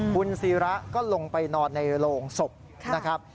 คุณศิระก็ลงไปนอนในโรงศพนะครับ